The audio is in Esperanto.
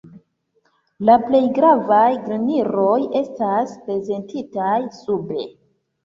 La plej gravaj genroj estas prezentitaj sube.